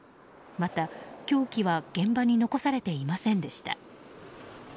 また、凶器は現場に残されていませんでした。